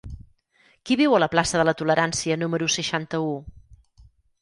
Qui viu a la plaça de la Tolerància número seixanta-u?